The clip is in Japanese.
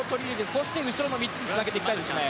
そして後ろの３つにつなげていきたいですね。